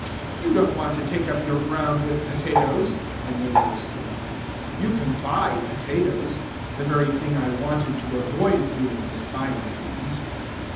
"You don't want to take up your ground with potatoes," the neighbors said; "you can buy potatoes" (the very thing I wanted to avoid doing is buying things).